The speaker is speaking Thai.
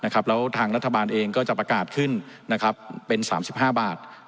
แล้วทางรัฐบาลเองก็จะประกาศขึ้นเป็น๓๕บาท